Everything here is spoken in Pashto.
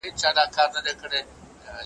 ته به څرنګه سینګار کړې جهاني د غزل توري ,